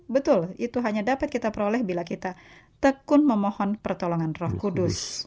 betul itu hanya dapat kita peroleh bila kita tekun memohon pertolongan roh kudus